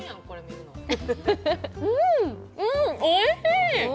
うん、おいしい！